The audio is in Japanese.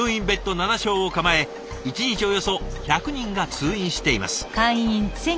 ７床を構え一日およそ１００人が通院しています。